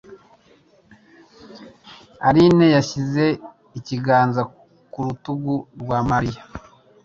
Aline yashyize ikiganza ku rutugu rwa Mariya.